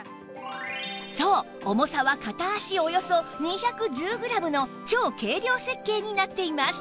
そう重さは片足およそ２１０グラムの超軽量設計になっています